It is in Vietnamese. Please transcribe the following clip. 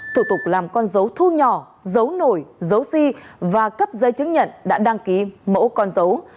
thủ tục làm con dấu thu nhỏ dấu nổi dấu si và cấp giấy chứng nhận đã đăng ký mẫu con dấu